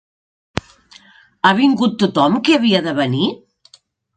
Ha vingut tothom que havia de venir?